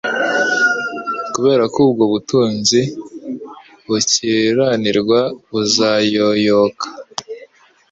Kubera ko ubwo butunzi bukiranirwa buzayoyoka